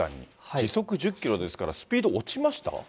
時速１０キロですから、時速落ちました？